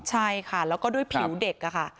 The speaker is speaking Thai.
ใช่ค่ะแล้วก็ด้วยผิวเด็กค่ะ